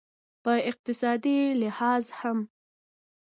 په اقتصادي لحاظ هم